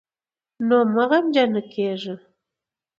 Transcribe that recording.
نو مه غمجن کېږئ